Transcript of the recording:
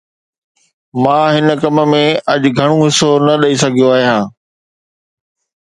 مان هن ڪم ۾ اڄ گهڻو حصو نه ڏئي سگهيو آهيان